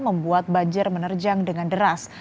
membuat banjir menerjang dengan deras